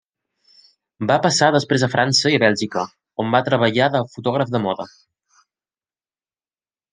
Va passar després a França i Bèlgica, on va treballar de fotògraf de moda.